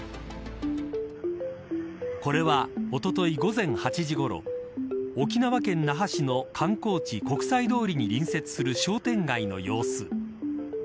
これは、おととい午前８時ごろ沖縄県那覇市の観光地国際通りに隣接する商店街の様子。